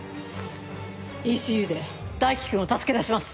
ＥＣＵで大樹君を助け出します。